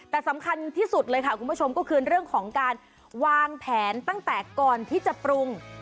แต่สำคัญที่สุดเลยค่ะคุณผู้ชมก็คือเรื่องของการวางแผนตั้งแต่ก่อนที่จะปรุง